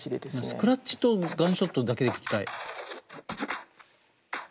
スクラッチとガンショットだけで聴きたい。